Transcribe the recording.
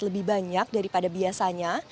lebih banyak daripada biasanya